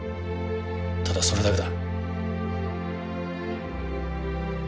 ただそれだけだ。